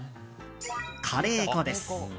カレー粉です。